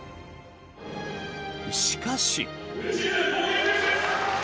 しかし。